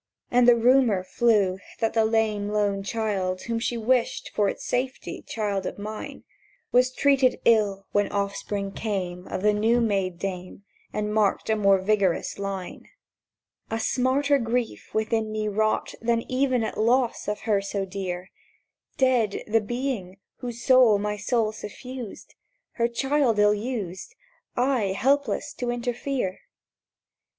And the rumour flew that the lame lone child Whom she wished for its safety child of mine, Was treated ill when offspring came Of the new made dame, And marked a more vigorous line. [Picture: Sketch of cemetery] A smarter grief within me wrought Than even at loss of her so dear; Dead the being whose soul my soul suffused, Her child ill used, I helpless to interfere!